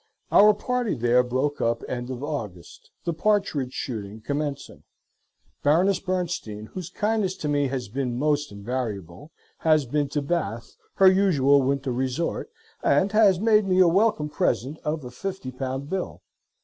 Our party there broke up end of August: the partridge shooting commencing. Baroness Bernstein, whose kindness to me has been most invariable, has been to Bath, her usual winter resort, and has made me a welcome present of a fifty pound bill.